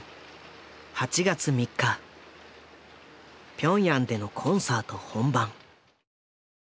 ピョンヤンでのコンサート本番。